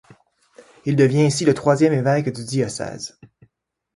Il devient ainsi le troisième évêque du diocèse.